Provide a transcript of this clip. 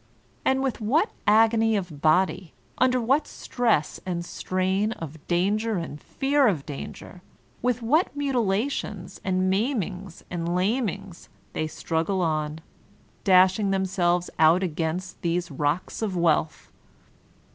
And with what agony of body, under what stress and strain of danger and fear of danger, with what mutilations and maimings and lamings they struggle on, dashing themselves out against these rocks of wealth!